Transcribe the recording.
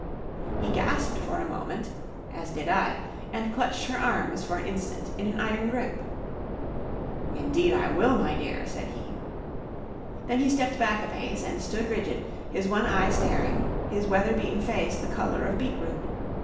He gasped for a moment (as did I) and clutched her arms for an instant in an iron grip. "Indeed I will, my dear," said he. Then he stepped back a pace and stood rigid, his one eye staring, his weather beaten face the colour of beetroot.